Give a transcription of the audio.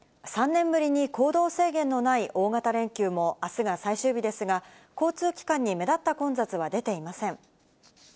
３年ぶりに行動制限のない大型連休も、あすが最終日ですが、交通機関に目立った混雑は出ていません。